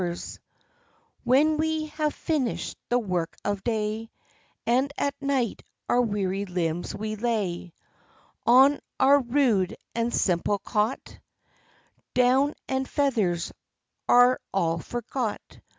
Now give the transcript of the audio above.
76 THE LIFE AND ADVENTURES When we have finished the work of day, And at night our weary limbs we lay On our rude and simple cot, Down and feathers are all forgot.